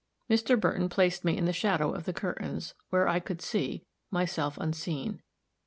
Mr. Burton placed me in the shadow of the curtains, where I could see myself unseen.